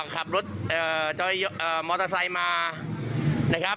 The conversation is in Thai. ขับรถมอเตอร์ไซต์มา